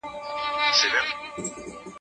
زه قلم نه استعمالوموم،